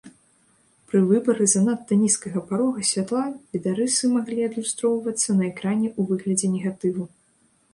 Пры выбары занадта нізкага парога святла відарысы маглі адлюстроўвацца на экране ў выглядзе негатыву.